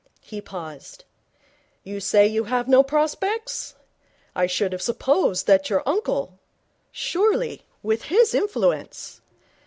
He paused. 'You say you have no prospects? I should have supposed that your uncle ? Surely, with his influence